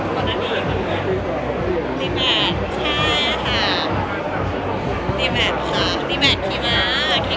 ก็หลากหลายอยู่ค่ะ